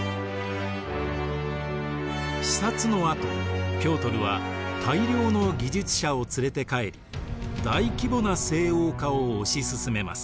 視察のあとピョートルは大量の技術者を連れて帰り大規模な西欧化を推し進めます。